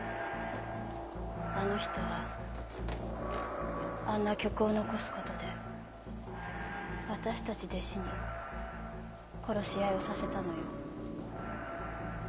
あの人はあんな曲を残すことで私たち弟子に殺し合いをさせたのよ。